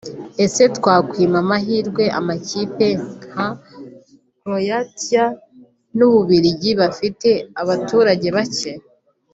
Ese twakwima amahirwe amakipe nka Croatia n’Ububiligi bafite abaturage bake